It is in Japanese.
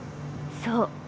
そう。